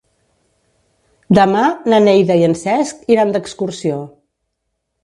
Demà na Neida i en Cesc iran d'excursió.